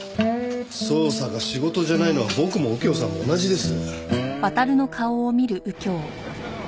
捜査が仕事じゃないのは僕も右京さんも同じです。